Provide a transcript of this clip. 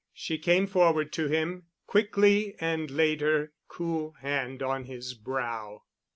She came forward to him quickly and laid her cool hand on his brow.